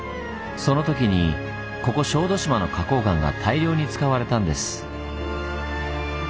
そのときにここ小豆島の花こう岩が大量に使われたんです。